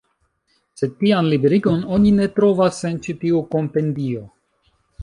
Sed tian liberigon oni ne trovas en ĉi tiu Kompendio.